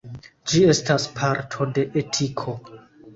Ĝi estas parto de etiko.